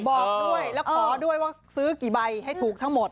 บอกด้วยและวางซื้อกี่ใบให้ถูกทั้งหมด